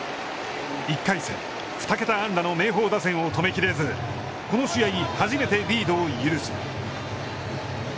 １回戦、二桁安打の明豊打線を止めきれず、この試合、初めてリードを許す。